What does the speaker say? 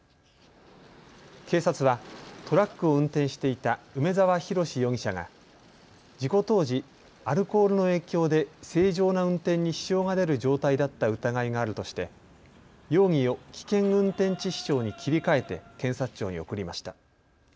警察はトラックを運転していた梅澤洋容疑者が事故当時、アルコールの影響で正常な運転に支障が出る状態だった疑いがあるとして容疑を危険運転致死傷に切り替えて検察庁に送りました。